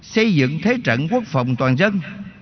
xây dựng thế trận quốc phòng toàn dân